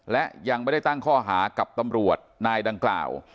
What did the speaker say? และยังไม่ได้ตั้งข้อหากับตำรวจนายดังกล่าว